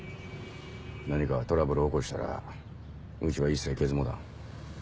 ・何かトラブル起こしたらうちは一切ケツ持たん。